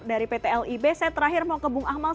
dari pt lib saya terakhir mau kebung akmal